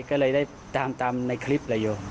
ก็เลยได้ตามในคลิปละโยม